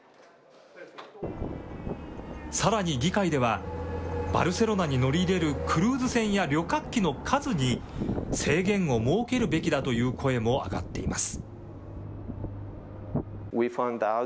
さらに議会では、バルセロナに乗り入れるクルーズ船や旅客機の数に制限を設けるべきだという声も上がっています。